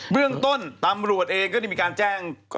เรื่องต้นตำรวจเองก็ได้มีการแจ้ง